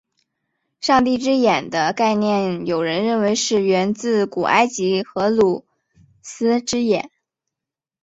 上帝之眼的概念有人认为是源自古埃及的荷鲁斯之眼。